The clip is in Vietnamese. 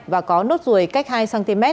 và có nốt ruồi cách hai cm